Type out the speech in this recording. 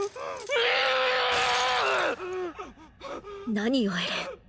何よエレン